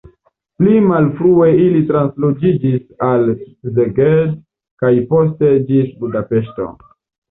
Pli malfrue ili transloĝiĝis al Szeged kaj poste ĝis Budapeŝto.